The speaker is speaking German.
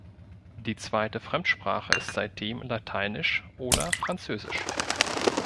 Die zweite Fremdsprache ist seitdem Lateinisch oder Französisch.